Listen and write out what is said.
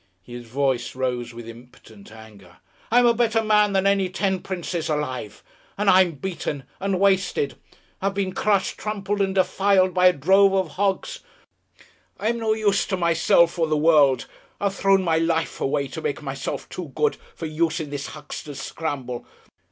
His voice rose with impotent anger. "I'm a better man than any ten princes alive! And I'm beaten and wasted. I've been crushed, trampled and defiled by a drove of hogs. I'm no use to myself or the world. I've thrown my life away to make myself too good for use in this huckster's scramble.